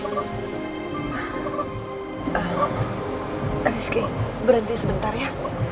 rizky berhenti sebentar ya